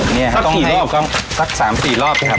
นี่ครับต้องให้สัก๓๔รอบนะครับ